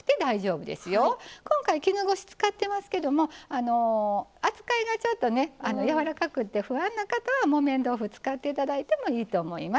今回絹ごし使ってますけども扱いがちょっとね柔らかくて不安な方は木綿豆腐使って頂いてもいいと思います。